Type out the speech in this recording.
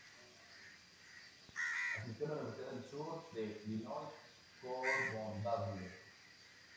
Asistió a la Universidad del Sur de Illinois Carbondale.